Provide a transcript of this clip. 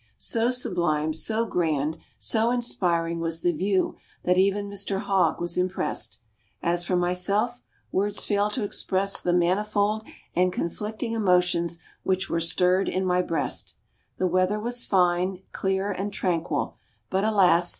So sublime, so grand, so inspiring was the view that even Mr Hogg was impressed. As for myself, words fail to express the manifold and conflicting emotions which were stirred in my breast. The weather was fine, clear and tranquil; but alas!